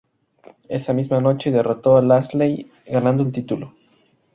Esa misma noche, derrotó a Lashley ganando el título.